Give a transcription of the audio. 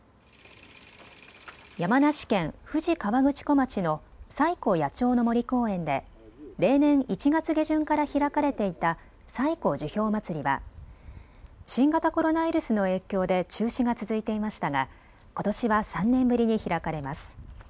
山梨県富士河口湖町の西湖野鳥の森公園で例年１月下旬から開かれていた西湖樹氷まつりは新型コロナウイルスの影響で中止が続いていましたがことしは３年ぶりに開かれます。